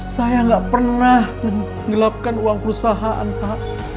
saya ga pernah menggelapkan uang perusahaan pak